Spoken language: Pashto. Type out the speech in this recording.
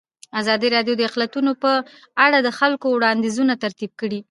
ازادي راډیو د اقلیتونه په اړه د خلکو وړاندیزونه ترتیب کړي.